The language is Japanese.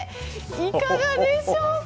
いかがでしょうか。